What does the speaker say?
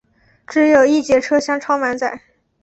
只有一节车厢超满载